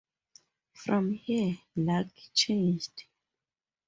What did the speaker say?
From here luck changed.